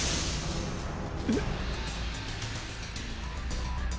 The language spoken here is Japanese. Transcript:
えっ？